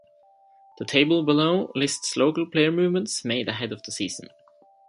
The table below lists local player movements made ahead of the season.